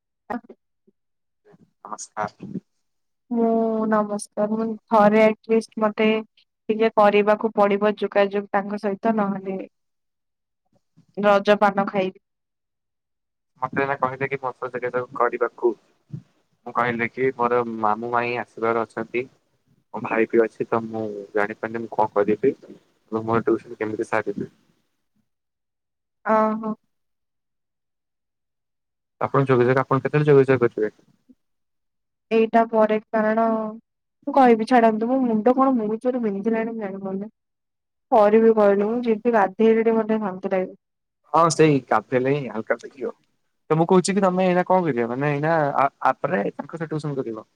[unintelligible] ନମସ୍କାର। ମୁଁ ନମସ୍କାର ମୁଁ ଥରେ ଆଟଲିଷ୍ଟ ମତେ ଟିକେ କରିବାକୁ ପଡିବ ଯୋଗାଯୋଗ ତାଙ୍କ ସହିତ ନହେଲେ ରଜ ପାନ ଖାଇବି। ମୋତେ ଏନା କହିଥିଲେେ କି ମୋସ ଯୋଗତା କରିବାକୁ। ମୁଁ କହିଲି କି ମୋର ମାମୁଁ ମାଇଁ ଆସିବାର ଅଛନ୍ତି। ମୋ ଭାଇ ବିି ଅଛି ତ ମୁଁ ଜାଣି ପାରିନି ମୁଁ କଣ କରିବି, ମୁଁ ମୋରସନ କେମିତି ସାରିବି? ଓ ହୋ। ଆପଣ ଯୋଗାଯୋଗ ଆପଣ କେତେବେଳେ ଯୋଗାଯୋଗ କରିବେ? ଏଟା ପରେ କାରଣ ମୁଁ କହିବି ଛାଡନ୍ତୁ ମୋ ମୁଣ୍ଡ କଣ ବହୁତ୍ ଜୋରେ ବିନ୍ଧିିଲାଣି ମୁଁ ଜାଣିପାରୁନି। କରିବି କହିଲୁ, ମୁଁ ଯିବି ଗାଧେଇଲେ ମୋତେ ଟିକେ ଶାନ୍ତି ଲାଗିବ। ହଁ ସେଇ କା ଫେଲେ ହଲକା ସ କିିିବ। ତ ମୁଁ କହୁଛି କି ତମେ ଏଇନା କଣ କରିବ ମାନେ ଏଇନା ଆପରେ ତାଙ୍କୁ ଟିଉସନ୍ କରିବ?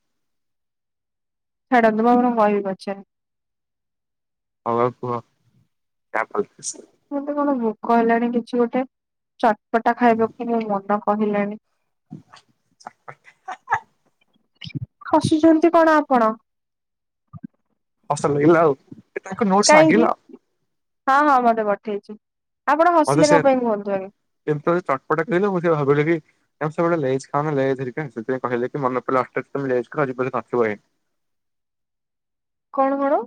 ଛାଡ଼ନ୍ତୁ ମୁଁ ଆପଣଙ୍କୁ କହିବି ପଛରେ। ହଉ ଆଉ କୁହ କା ଫ ମୋତେ କଣ ଭୋକ ହେଲାଣି କିଛି ଗୋଟେ ଚଟପଟା ଖାଇବାକୁ ମୋ ମନ କହିଲାଣି? ହସୁଛନ୍ତି କଣ ଆ ଆପଣ। ହସ ଲାଗିଲା ଆଉ ତାଙ୍କ ନୋଟସ ମାଗିଲ କାହିଁକି, ହଁ ହଁ ମତେ ପଠେଇଛି। ଆପଣ ମତେ ହସିଲେ କନ ସେୟାର ପାଇଁ କୁହନ୍ତୁ ଆଗେ। ଯେମିତି ଚଟପଟା କହିଲ ମୁଁ ସେ ଭାବିଲି କି ଆ ସବୁବେଳେ ଲେଜ୍ ଖାଉନ ଲେଜ ହେରିକା ସେଥିପାଇ କହିଲେ ମନେ ପଡ଼ିଲା ହଠାତ୍ କି ଲେଜ୍ କରି କୁରି ନଥିବ ହେଁ। କଣ କଣ?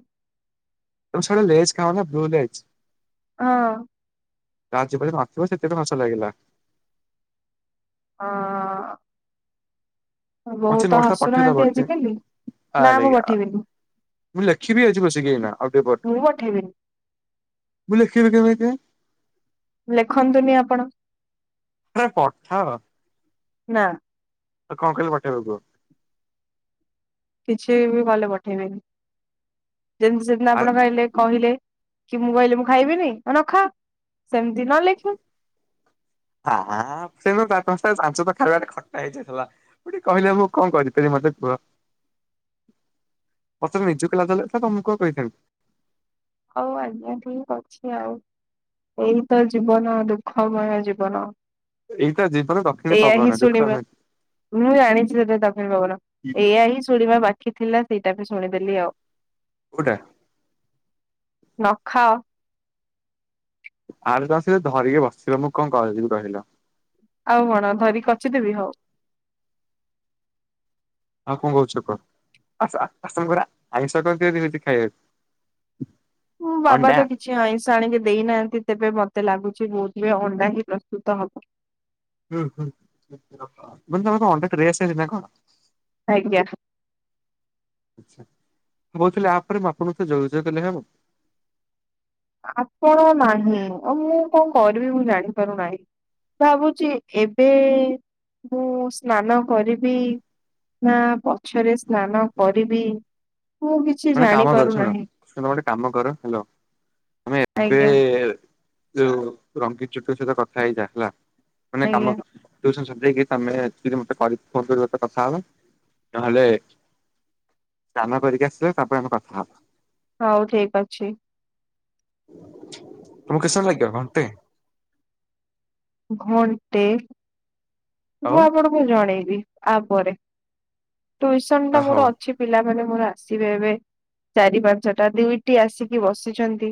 ତମେ ଲେଜ ଖାଅନା ବହୁ ଲେଜ୍ ହଁ। ଆଜି ପାଇଁ ନଥିବ ସେଥିପାଇ ହସ ଲାଗିଲା। ହଁ। ବୋଉ ମତେ ତ ନୋଟସ୍ ଟା ପଠେଇ ହସୁନାହାନ୍ତି ଦେବ ଟିକେ ଆଜିକାଲି ନା ଆରେ ମୁଁ ୟାର୍। ପଠେଇବିନି ମୁଁ ଲେଖିବି ଆଜି ବସିକି ଏଇନା ଆଉଟିକେ ପରେ। ମୁଁ ପଠେଇବିନି ମୁଁ ଲେଖିବି କେମିତି? ଲେଖନ୍ତୁନି ଆପଣ ଆରେ ପଠାଅ ନା। ଆଉ କଣ କହିଲେ ପଠେଇବ କୁହ? କିଛି ବି ଭଲ ପଠେଇବେନି ଯେମିତି ସେ ଦିନ ଆରେ ଆପଣ ଖାଇଲେ କହିଲେ କି ମୁଁ କହିଲି ମୁଁ ଖାଇବିନି ଆଉ ନଖା ସେମିତି ନଲେଖେ। ଆଁ ସେଦିନ ଚାର୍ ପାଞ୍ଚଷ୍ଟା ଜାଣିଚ ତ ଖାଇବା ଟା ଖଟା ହେଇ ଯାଇଥିଲା। ଆଉ ମୁଁ ଟିକେ କହିଲେ କଣ କରିପାରିବି ମ୍ ତେ କୁହ? ମତେତ ନିଜକୁ ଲାଜ ଲାଗୁଥିଲା ତମକୁ କଣ କହିଥାନ୍ତି। ହୋଉ ଆଜ୍ଞା ଠିକ ଅଛି ଆଉ। ଏଇତ ଜୀବନ ଦୁଃଖମୟ ଜୀବନ। ଏଇତ ଜୀବନ ଦକ୍ଷିଣୀ ଏଇଆ ହିଁ ପବନ ଦୁଃଖ ଶୁଣିବା ନୁହେଁ। ମୁଁ ଜାଣିଚି ସେଇତା ଦକ୍ଷିଣ ପବନ ଏଇଆ ହିଁ ଶୁଣିବା ବାକି ଥିଲା। ସେଇଟା ବି ଶୁଣିଦେଲି ଆଉ। କୋଉଟା? ନଖାଅ [unintelligible] ସେ ଧରିକି ବସିବ ମୁଁ କଣ କରିବି କହିଲ? ଆଉ କଣ ଧରି କି କଚିଦେବି ହୋଉ। ନା କଣ କୋହୁଚ କୁହ ଆଜି ତମ ଘରେ ଆଇଁଷ କଣ କରିଥିଲେ ଖାଇବାକୁ? ମୋ ବାବା ଅଣ୍ଡା ତ କିଛି ଆଇଁଷ ଆଣିକି ଦେଇନାହାନ୍ତି ତେବେ ମତ୍ ମତେ ଲାଗୁଚି ବୋଧ୍ ହୁଏ ଅଣ୍ଡା ହିଁ ପ୍ରସ୍ତୁତ ହବ। ଉଁ ହୁଁ ମାନେ ତମର କଣ ଅଣ୍ଡା ଟ୍ରେ ଆସିଚି ନା କଣ? ଆଜ୍ଞା। ମୁଁ କୋହୁଥିଲି ଆପରେ ମୁଁ ଆପଣଙ୍କ ସହିତ ଯୋଗଯୋଗ କଲେ ହେବ? ଆପଣ ନାହିଁ ଆ ମୁଁ କଣ କରିବି ମୁଁ ଜାଣିପାରୁନାହିଁ। ଭାବୁଚି ଏବେ ମୁଁ ସ୍ନାନ କରିବି। ନା ପଛରେ ସ୍ନାନ କରିବି। ମୁଁ କିଛି କାମ କର ଶୁଣ ଜାଣିପାରୁନାହିଁ ଶୁଣ ଗୋଟେ କାମ କର ହାଲୋ। ତମେ ଏବେ ଆଜ୍ଞା ଯୋଉ ରଙ୍ଗୀ ଚୁଟିଙ୍କ ସହିତ କଥା ହେଇଯା ହେଲା। ମାନେ ଆଜ୍ଞା କାମ [unintelligible] ଯେକି ତମେ [unintelligible] ଯଦି ମତେ ଫୋନ୍ କରିବ ତ କଥା ହବା ନହେଲେ ସ୍ନାନ କରିକି ଆସିଲେ ତାପରେ ଆମେ କଥା ହେବା। ହୋଉ ଠିକ ଅଛି। ତମକୁ କେତେ ସମୟ ଲାଗିବ ଘଣ୍ଟେ? ଘଣ୍ଟେ ଆଉ ମୁଁ ଆପଣଙ୍କୁ ଜଣେଇବି ଆପରେ। ଟ୍ୟୁସନ ଟା ହଉ। ମୋର ଅଛି ପିଲା ମାନେ ମୋର ଆସିବେ ଏବେ ଚାରି ପାଞ୍ଚଟା ଦୁଇଟି ଆସିକି ବସିଛନ୍ତି।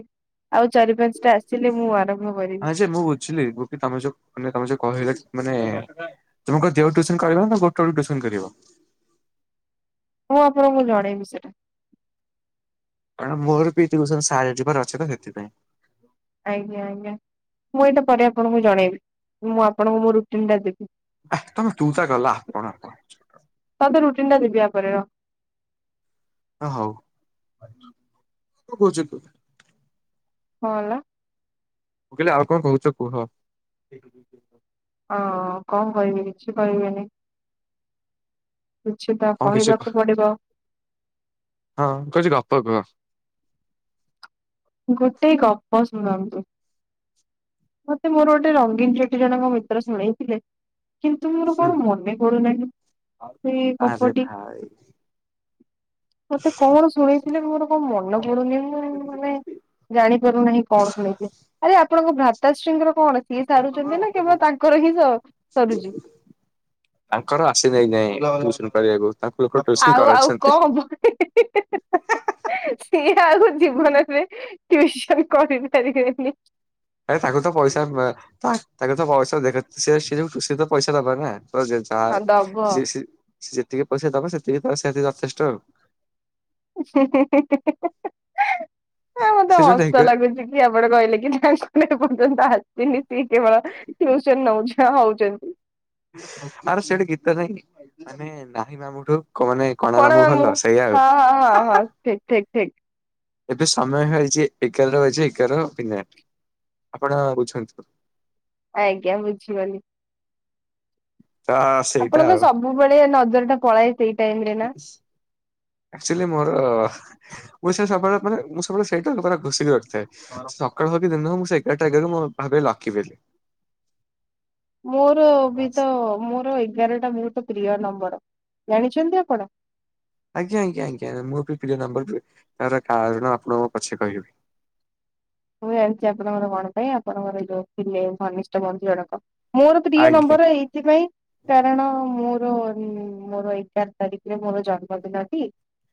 ଆଉ ଚାରି ପାନସାଟା ଆସିଲେ ମୁଁ ଆରମ୍ଭ କରିବି। ହଁ ଯେ ମୁଁ ବୁଝିଲି ଗୋପୀ ତମେ ଯୋଉ ମାନେ ତମେ ଯୋଉ କହିଲ ମାନେ ତମେ କଇଲ ଯେଉ ଟିଉସନ କରିବ ନା ଗୋଟେବେଳୁକୁ ତିଉସନ କରିବ? ମୁଁ ଆପଣଙ୍କୁ ଜଣେଇବି ସେଟା। କାରଣ ମୋର ବି ଟିଉସନ ସାର ଏଥିପାର ଅଛିତ ସେଥିପାଇଁ। ଆଜ୍ଞା ଆଜ୍ଞା ମୁଁ ଏଇଟା ପରେ ଆପଣଙ୍କୁ ଜଣେଇବି ମୁଁ ଆପଣଙ୍କୁ ମୋ ରୁଟିନ ଟା ଦେବି। ଏ ତମେ ତୁତା କଲ ଆପଣ ଆପଣ ହଉଚ ତେଣ୍ଡା ଦେବୀ ଆପରେ ରହ। ହ ହଉ କ କହୁଚ କି? କଁ ହେଲା? ମୁଁ କଇଲି ଆଉ କଣ କହୁଚ କୁହ? ହଁ କଣ କହିବି କିଛି କହିବିନି। କିଛି ତ କଣ କିଛି କହ କହିବାକୁ ପଡିବ? ହଁ କହୁଚି ଗପ କୁହ। ଗୋଟେ ଗପ ଶୁଣନ୍ତୁ। ମୋତେ ମୋର ଗୋଟେ ରଙ୍ଗୀନ ଚୁଟି ଜଣକ ମିତ୍ର ଶୁଣେଇଥିଲେ। କିନ୍ତୁ ମୋର ହୁଁ। କଣ ମନେ ପଢୁନାହି ସେଇ ଆରେ ଗପଟି? ଭାଇ ମତେ କଣ ଶୁଣେଇଥିଲେ ମୋର କଣ ମନ ପଡୁନି ମୁଁ ମାନେ ଜାଣିପାରୁନାହିଁ କଣ ଶୁଣେଥିବେ ଆରେ ଆପଣଙ୍କ ଭ୍ରାତାଶ୍ରୀଙ୍କର କଣ ସିଏ ସାରୁଚନ୍ତି ନା କିମ୍ବା ତାଙ୍କର ହିଁ ସ-ସରୁଚି? ତାଙ୍କର ଆସି ନାଇଁ ଏ ଯାଏଁ ଟିଉସନ କରିବାକୁ। ତାଙ୍କୁ ଲୋକ ଟ୍ୟୁସନ ଆଉ ଆଉ କରାଉଛନ୍ତି। କଣ ହବ ହିଁ ହିଁ ହିଁ ହିଁ ଆଉ ଜୀବନରେ ଟିଉସନ କରି ପାରିବେ ନି। ଆ ତାକୁ ତ ପଇସା ମେ ତା-ତାକୁ ତ ପଇସା ଦେଖ ସେ ସେଇ ଯୋଉ ସିଏ ତ ପଇସା ନବା ନା। ଯ ଯେଝା ହଁ ଦବ। ସିସି ସିଏ ଯେତିକି ପଇସା ଦବ ସେତିକି ତ ସେହାତି ଯଥେଷ୍ଟ ଆଉ। ହିଁ ହିଁ ହିଁ ହିଁ ହିଁ ହିଁ ହଁ ମତେ ସେ ଯୋଉ ଢେଗ ହସ ଲାଗୁଚ କି ଆପଣ କହିଲେ କି ତାଙ୍କୁ ମନେ ଏପର୍ଯ୍ୟନ୍ତ ଆ ଯେମିତି କେବଳ ଟିଉସନ ନଉଛ ହଉଚନ୍ତି। ଆରେ ସେଠି ଗୀତ ନାଇଁ କି ମାନେ ନାହିଁ ମାମୁଁ ଠୁ କ ନାଇଁ କଣା କଣ ମାମୁଁ ଭଲ ସେଇଆ ଆଉ ହଁ ହଁ ହଁ ହା ହଁ ହା। ଠିକ ଠିକ ଠିକ ଏବେ ସମୟ ହେଇଚି ଏଗାର ଟା ବାଜି ଏଗାର ମିନିଟ୍। ଆପଣ ବୁଝନ୍ତୁ। ଆଜ୍ଞା ବୁଝିିଗନି। ତ ସେଇଟା ଆପଣଙ୍କ ସବୁବେଳେ ନଜର ଟା ପଳାଏ ସେଇ ଟାଇମ ରେ ନା ଆଚୁଲି ମୋର ମୁଁ ସେ ସବୁବେଳେ ମାନେ ମୁଁ ସବୁବେଳେ ସେଇ [unintelligible] ଲୋକ ରା ଘୋଷିକି ରିକିଥାଏ ସକାଳ ହଉ କି ଦିନ ହଉ ମୁଁ ସେଇ ଏଗାରଟା ଏଗାରୁ ମୋ ର ଭାବେ ଲକି ବୋଲି। ମୋର ବି ତ ମୋର ଏଗାର ଟା ବହୁତ ପ୍ରିୟ ନମ୍ବର। ଜାଣିଛନ୍ତି ଆପଣ? ଆଜ୍ଞା ଆଜ୍ଞା ଆଜ୍ଞା ମୋର ବି ପ୍ରିୟ ନମ୍ବର ଯେ ତାର କାରଣ ଆପଣଙ୍କୁ ମୁଁ ପଛେ କହିବି। ମୁଁ ଜାଣିଚି ଆପଣଙ୍କର କଣ ପାଇଁ ଆପଣଙ୍କର ଏଇ ଯୋଉ ଥିଲେ ଘନିଷ୍ଠ ବନ୍ଧୁ ଜଣକ। ମୋର ପ୍ରିୟ ଆଜ୍ଞା ନମ୍ବର ଏଇଥିପାଇଁ କାରଣ ମୋର ହୁଁ ମୋର ଏଗାର ତାରିଖରେ ମୋର ଜନ୍ମଦିନଟି।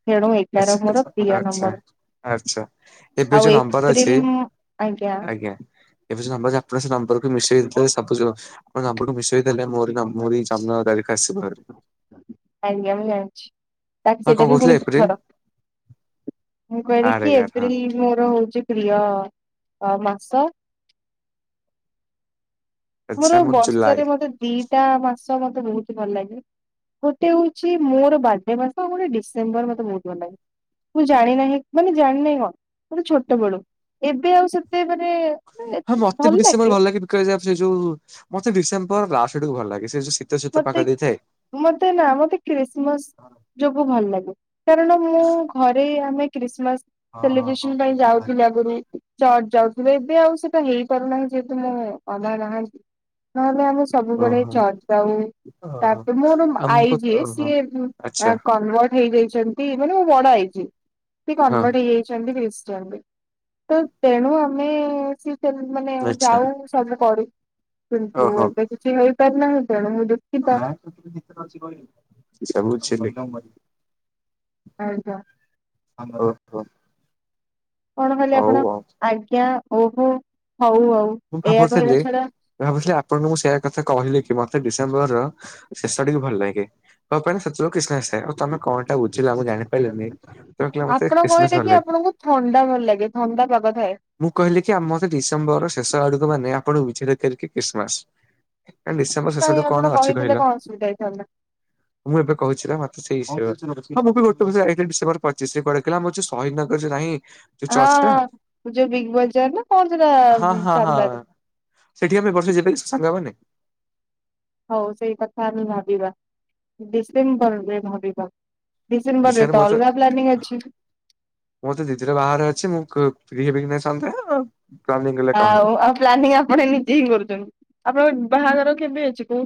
ତେଣୁ ଏଗାର ମୋର ଆଚ୍ଛା ପ୍ରିୟ ଆଚ୍ଛା ଆଚ୍ଛା। ଆଚ୍ଛା ଏବେ ନମ୍ବର ଆଉ ଯୋଉ ନମ୍ବର ଅଛି ଏପ୍ରିଲ ମୁଁ ଆଜ୍ଞା। ଏବେ ସେଇ ନମ୍ବର [unintelligible] ନମ୍ବର କୁ ମିଶେଇଦେଲେ ସବୁ ଜ ମାନେ ନମ୍ୱର୍ କୁ ମିଶେଇ ଦେଲେ ମୋରି ନ ମୋରି ଜନ୍ମ ତାରି [unintelligible] ଆଜ୍ଞା ମୁଁ ଜାଣିଛି ତା କି ସେଇଟା କଣ ବି କହୁଥିଲେ ପୁଣି ଦି ଏପ୍ରିଲ ଥର ମୁଁ କହିଲି ଆରେ କି ୟାର ହଁ ଏପ୍ରିଲ୍ ମୋର ହଉଚି ପ୍ରିୟ। ଅ ମାସ ଆଚ୍ଛା ମୋର ଜୁଲାଇ ବର୍ଷରେ ମତେ ଦିଟା ମାସ ମତେ ବହୁତ ହ ଭଲ ଲାଗେ। ଗୋଟେ ହଉଛି ମୋର ବାର୍ଥଡେ ମାସ ଆଉ ଗୋଟେ ଡିସେମ୍ବର ମତେ ବହୁତଲ ଲାଗେ। ମୁଁ ଜାଣି ନାହିଁ ମାନେ ଜାଣିିନହିଁ କଣ ଗୋଟେ ଛୋଟ ବେଳୁ ଏବେ ଆଉ ସେତେ ମନେ ହଁ ମତେ ବି ଡିସେମ୍ବର ଭଲ ଲାଗେ ବିକା ସେ ଯୋଉ ମତେ ଡିସେମ୍ବର ଲାଷ୍ଟ ଆଡାକୁ ଭଲ ଲାଗେ ସେ ଯୋ ଶୀତ ଶୀତ ମତେ ପାଖ ଦେଇଥାଏ। ମତେ ନା ମତେ କ୍ରିସମାସ୍ ଯୋବୁ ଭଲ ଲାଗେ କାରଣ ମୁଁ ଘରେ ଆମେ କ୍ରିସମାସ୍ ସେଲିବ୍ରେସନ ପାଇଁ ଯାଉଥିଲେ ଆଗରୁ। ଚର୍ଚ ଯାଉିବ ଏବେ ଆଉ ସେଟା ହେଇପାରୁନାହିଁ ଯେହେତୁ ମୁଁ ଆଜା ନାହାନ୍ତି। ନହେଲେ ଆମେ ସବୁବେଳେ ଓହୋ ଚର୍ଚ୍ଚ ଆଉ ଓହୋ ତାପରେ ମୋର ଆଇ ଆମକୁ ଯିଏ ଓହୋ ସିଏ ଆଚ୍ଛା କନଭର୍ଟ ହେଇଯାଇଛନ୍ତି। ସେ ମାନେ ମୋ ବଡ ଆଇ ଯେ ସେ ହଁ କନଭର୍ଟ ହେଇଯାଇଛନ୍ତି କ୍ରି ତ ତେଣୁ ଆମେ ସ ମାନେ ଆଚ୍ଛା ଯାଉ ସବୁ କରୁ। କିନ୍ତୁ ଓହୋ। ଏବେ କିଛି ହେଇପାର ନାହିଁ। ତେଣୁ ଦୁଃଖିତ ସବୁ ଚିଲିକା ମଝିରେ। ଆଜ୍ଞା ହ ହୋ। କଣ କଲେ ଆପଣ ଆଜ୍ଞା ଓହୋ। ହଉ ହଉ ମୁଁ ଏଇଆ କହିବା ଭାବୁଥିଲି, ଛଡା ଭାବୁଥିଲି ଆପଣଙ୍କୁ ସେଇକଥା କହିଲି କି ମତେ ଡି ଡିସେମ୍ବର ଶେଷ ଟିକେ ଭଲଲାଗେ ମୋ ପାଇଁ ସେତେ କ୍ରିସ ଉ ତମେ କଣଟା ବୁଝିଲ ମୁଁ ଜାଣିପାରିଲିନି ତମେ କହିଲ ମତେ ଆପଣ ଖ୍ରୀଷ୍ଟମାସ କହିଲେ କି ଭଲଲାଗେ। ଆପଣଙ୍କୁ ଥଣ୍ଡା ଭଲ ଲାଗେ ଥଣ୍ଡା ପାଗ ଥାଏ ମୁଁ କହିଲି କି ଆମ ମତେ ଡିସେମ୍ବର ଡ ମାନେ ଆପଣଙ୍କୁ ବିଚାର କରିକି ଖ୍ରୀଷ୍ଟମାସ। କା ଡିସେମ୍ବର କାଇଁ ଶେଷଠୁ କଣ ଆପଣ ଅଛି କହିଥିଲେ କହିଲ? କଣ ଅସୁବିଧା ହେଇଥାନ୍ତା ମୁଁ ଏବେ କହୁଛି ନା ମତେ ସେଇୟ ହଁ ମୁଁ ବି ଗୋଟେବର୍ଷ ଯାଇଥିଲି ଡିସେବର ପଚିଶ ରେ ପଡେଇଥିଲା ମୋଉଛି ଶହୀନଗରରେ ନାହିଁ। ଯୋଉ ହଁ ଚର୍ଚ୍ଚ ଟା ହଁ ଯୋଉ ବିଗ୍ ବଜାର ନା କଣ ସେଟା ହଁ ହଁ ହଁ ସାମ୍ନାରେ ସେଠି ଆମେ ବର୍ଷେ ଯିବା କି ସାଙ୍ଗ ମାନେ? ହଉ ସେଇ କଥା ଆମେ ଭାବିବା ଡିସେମ୍ବର ରେ ଭାବିବା। ଡିସେମ୍ବରରେ ନିଶୟରେ ତ ମତେ ଅଲଗା ପ୍ଲାନିଂ ଅଛି। ମଁତେ ଦିଦିର ବାହାରେ ଅଛି ମୁଁ କ। [unintelligible] ଆଉ ଆଉ ପ୍ଲାନିଂ ଆପଣ ନିଜେ ହିଁ କରୁଛନ୍ତି ଆପଣଙ୍କ ବାହାଘର କେବେ ଅଛି କହୁ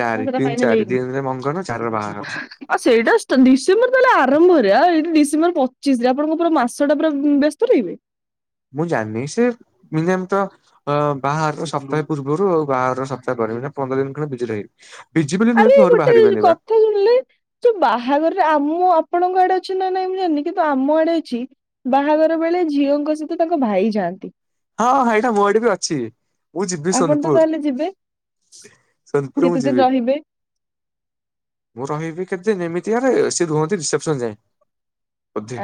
ଚାରି ତିନି ଚାରି ଦିନରେ ମଙ୍ଗନ ଚାରିରେ ବାହାଘର। ଆ ସେଇଟା ଡିସେମ୍ବର ତାହେଲେ ଆରମ୍ଭରେ ଆଉ ଏଇଠି ଡିସମ୍ବର ପଚିଶ ରେ ଆପଣଙ୍କୁ ପୁରା ମାସେ ପାଶଟା ପୁରା ବ୍ୟସ୍ତ ରହିବେ? ମୁଁ ଜାଣିନି ସେ ମିନିମ ତ ବାହାର ସପ୍ତାହେ ପୂର୍ବରୁ ବାହାର ସପ୍ତାହେ ପରେ ପନ୍ଦର ଦିନ କାଳ ବିଜି ରହିବି। ବିଜି ବୋଲି ନୁହେଁ ଆରେ କି ଘରୁ ଗୋଟେ ବାହାରିବିନି ବା କଥା ଶୁଣିଲେ ଯଉ ବାହାଘରରେ ଆମ ଆପଣଙ୍କ ଆଡେ ଅଛି ନା ନାଇଁ ମୁଁ ଜାଣିନି କିନ୍ତୁ ଆମ ଆଡେ ଅଛି, ବାହାଘର ବେଳେ ଝିଅଙ୍କ ସହିତ ତାଙ୍କ ଭାଇ ଯାଆନ୍ତି। ହଁ ଏଇଟା ମୁଁ ଏଠି ବି ଅଛି। ମୁଁ ଯିବି ଆପଣ ତ ସୋନପୁର, ତାହେଲେ ଯିବେ ସୋନପୁର କେତେ ମୁଁ ଦିନ ଯିବି। ରହିବେ? ମୁଁ ରହିବି କେତେ ଏମିତି ଆରେ ସେ ରୁହନ୍ତି ରିସେପସନ ଯାଏ।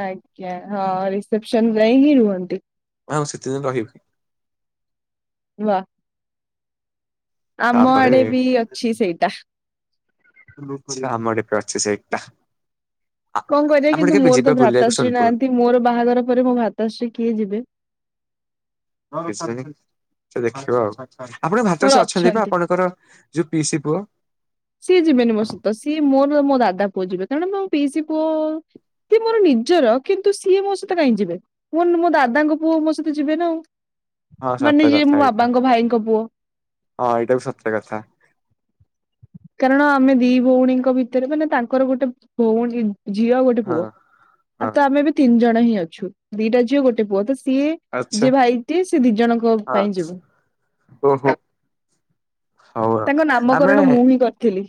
ଆଜ୍ଞା ହଁ ରିସେପସନ ରେ ହିଁ ରୁହନ୍ତି। ହଁ ମୁଁ ସେତେଦିନ ରହିବି। [unintelligible] ଆମ ତାପରେ ଆଡେ ବି ଅଛି ସେଇଟା। ସେଟା ଆମ ଆଡେ ବି ଅଛି ସେଇଟା। କଣ କରିବା ଆମେ କିନ୍ତୁ ଟିକେ ମୋର ଯିବା ତ ବୁଲିବାକୁ ଭ୍ରାତାଶ୍ରୀ ନାହାନ୍ତି। ମୋର ବାହାଘର ପରେ ମୋ ଭ୍ରାତାଶ୍ରୀ କିଏ ଯିବେ? ସେ ଦେଖିବ, ଆଉ ଆପଣଙ୍କ ଭ୍ରାତାଶ୍ରୀ ଅଛନ୍ତି, ବା ଆପଣଙ୍କର ଯଉ ପିଇସି ପୁଅ। ସିଏ ଯିବେନି ମୋ ସହିତ, ସିଏ ମୋର ମୋ ଦାଦା ପୁଅ ଯିବେ। ତେଣୁ ମୋ ପିଇସୀ ପୁଅ ସେ ମୋର ନିଜର, କିନ୍ତୁ ସିଏ ମୋ ସହିତ କାହିଁ ଯିବେ ମୋ ମୋ ଦାଦାଙ୍କ ପୁଅ ମୋ ସହିତ ଯିବେ ନା ହଁ ଆଉ ସତ ମାନେ ଯିଏ କଥା ମୋ ଏଇଟା ବାବାଙ୍କ ଭାଇଙ୍କ ପୁଅ। ହଁ ଏଇଟାକୁ ସତ କଥା। କାରଣ ଆମେ ଦି ଭଉଣୀଙ୍କ ଭିତରେ ମାନେ ତାଙ୍କର ଗୋଟେ ଭଉଣୀ ଝିଅ ଆଉ ଗୋଟେ ହଁ ପୁଅ ଆଉ ହଁ ତ ଆମେ ବି ତିନି ଜଣ ହିଁ ଅଛୁ, ଦିଟା ଝିଅ ଗୋଟେ ପୁଅ ତ ସିଏ ଆଚ୍ଛା ଯିଏ ଭାଇଟିଏ ସେ ଦି ଜଣଙ୍କ ହଁ ପାଇଁ ଯିବ। ଓହୋ ହଉ ଆଉ ତାଙ୍କ ନାମକରଣ ମୁଁ ହିଁ କରିଥିଲି।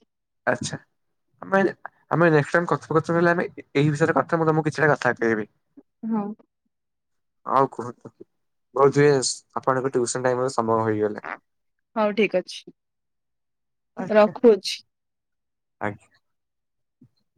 ଆଛା। ଆମେ-ଆମେ ନେକ୍ସଟ୍ ଟାଇମ୍ କଥା କେତେଳେ ହେଲେ ଏ ବିଷୟରେ କଥା ମୁ ତମକୁ କିଛିଟା କଥା କହିବି। ହଁ। ଆଉ କୁହନ୍ତୁ ବହୁ ଜ ଆପଣଙ୍କ ଟୁଇଶନ ଟାଇମ ହଉ ଠିକ ଅଛି ରଖୁଛି। ଆଜ୍ଞା।